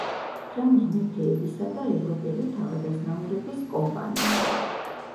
ფრანგი მეფეებისა და ევროპელი თავადაზნაურების კომპანიონი.